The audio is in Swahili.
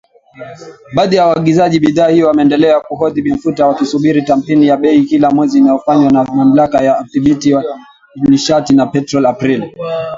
Baadhi ya waagizaji bidhaa hiyo wameendelea kuhodhi mafuta wakisubiri tathmini ya bei kila mwezi inayofanywa na Mamlaka ya Udhibiti wa Nishati na Petroli Aprili